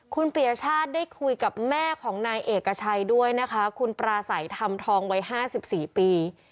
คุณปียชาติได้คุยกับแม่ของนายเอกชัยด้วยนะคะคุณปราศัยธรรมทองวัย๕๔ปี